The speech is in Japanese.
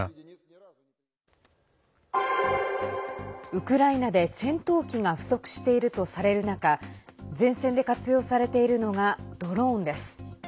ウクライナで戦闘機が不足しているとされる中、前線で活用されているのがドローンです。